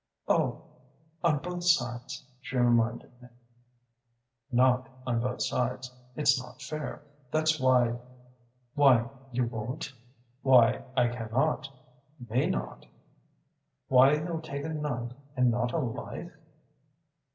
"'Oh, on both sides,' she reminded me. "'Not on both sides. It's not fair. That's why ' "'Why you won't?' "'Why I cannot may not!' "'Why you'll take a night and not a life?